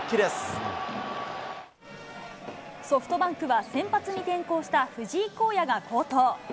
ソフトバンクは、先発に転向した藤井皓哉が好投。